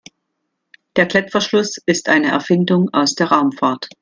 Der Klettverschluss ist eine Erfindung aus der Raumfahrt.